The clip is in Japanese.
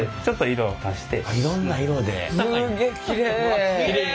すげえきれい。